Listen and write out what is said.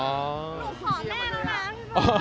หนูขอแม่แล้วนะพี่บอย